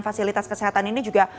fasilitas kesehatan ini juga